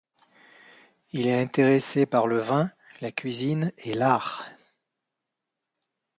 Il est intéressé par le vin, la cuisine et l'art.